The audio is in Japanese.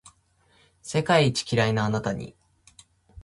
世界一キライなあなたに